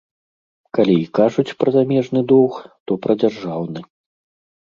Калі і кажуць пра замежны доўг, то пра дзяржаўны.